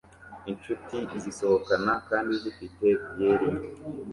Inshuti zisohokana kandi zifite byeri nke